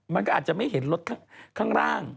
มันก็อาจจะไม่เห็นรถข้างล่าง